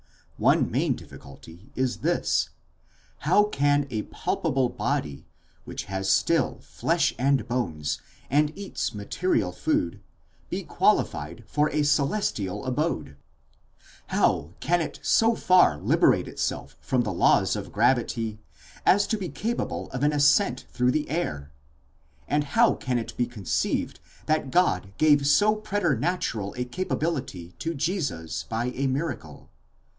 One main difficulty is this: how can a palpable body, which has still flesh and bones, and eats material food, be qualified for a celestial abode ἢ how can it so far liberate itself from the laws of gravity, as to be capable of an ascent through the air? and how can it be conceived that God gave so preternatural a capability to Jesus by a miracle?